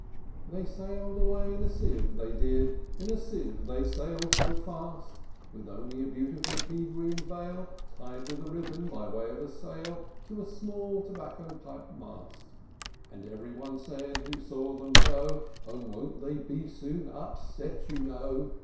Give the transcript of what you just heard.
II. They sailed away in a sieve, they did, In a sieve they sailed so fast, With only a beautiful pea green veil Tied with a ribbon, by way of a sail, To a small tobacco pipe mast. And every one said who saw them go, "Oh! won't they be soon upset, you know?